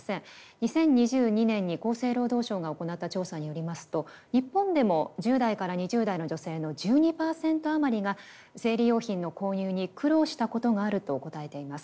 ２０２２年に厚生労働省が行った調査によりますと日本でも１０代から２０代の女性の１２％余りが生理用品の購入に苦労したことがあると答えています。